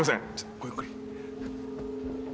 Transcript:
ごゆっくり。